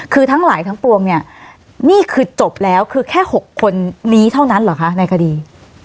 คือทั้งหลายทั้งปวงเนี่ยนี่คือจบแล้วคือแค่๖คนนี้เท่านั้นเหรอคะในคดี